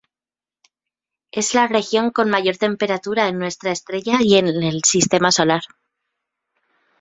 Es la región con mayor temperatura en nuestra estrella y en el sistema solar.